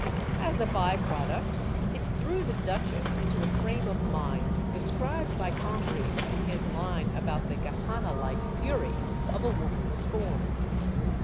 As a by product, it threw the duchesse into a frame of mind described by Congreve in his line about the Gehennalike fury of a woman scorned.